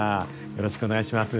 よろしくお願いします。